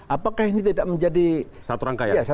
apakah ini tidak menjadi satu rangkaian